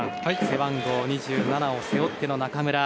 背番号２７を背負っての中村。